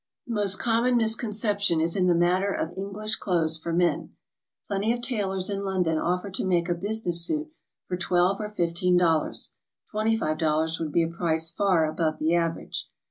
The mo'st common misconception is in the matter of English clothes for men. Plenty of tailors in London offer to make a business suit for twelve or fifteen dollars; $25 would be a price far above the average.